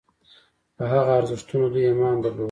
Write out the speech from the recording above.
په هغه ارزښتونو دوی ایمان درلود.